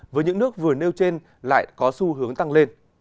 với những nước vừa nêu trên lại có xu hướng tăng lên